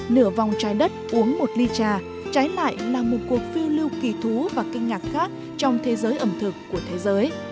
nửa vòng trái đất uống một ly trà trái lại là một cuộc phiêu lưu kỳ thú và kinh ngạc khác trong thế giới ẩm thực của thế giới